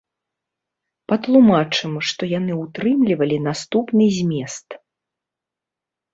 Патлумачым, што яны ўтрымлівалі наступны змест.